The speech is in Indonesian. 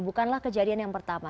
bukanlah kejadian yang pertama